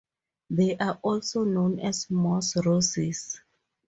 They are also known as moss roses.